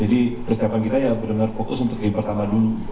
jadi persiapan kita ya benar benar fokus untuk game pertama dulu